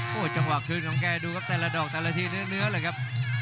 โอ้โหจังหวะคืนของแกดูครับแต่ละดอกแต่ละทีเนื้อเลยครับ